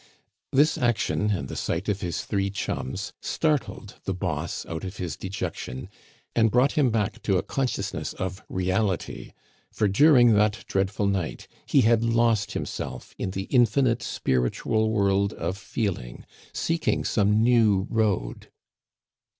This action, and the sight of his three chums, startled the "Boss" out of his dejection, and brought him back to a consciousness of reality; for during that dreadful night he had lost himself in the infinite spiritual world of feeling, seeking some new road.